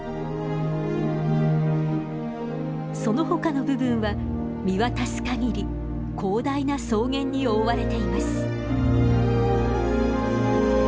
そのほかの部分は見渡すかぎり広大な草原に覆われています。